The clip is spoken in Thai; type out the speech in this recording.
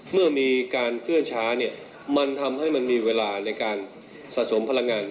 เมื่อมีการเคลื่อนช้าเนี่ยมันทำให้มันมีเวลาในการสะสมพลังงาน